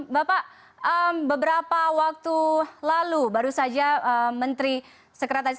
bapak beberapa waktu lalu baru saja menteri sekretaris